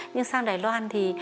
nhưng sang đài loan thì